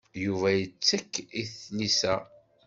Yuba yettekk i tlisa.